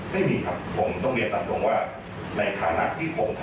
ไม่มีครับผมต้องเรียนตามตรงว่า